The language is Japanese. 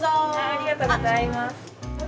ありがとうございます。